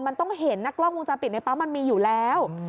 มันต้องเห็นนะกล้องวงจรปิดในปั๊มมันมีอยู่แล้ว